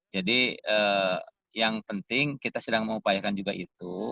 jadi yang penting kita sedang mengupayakan juga itu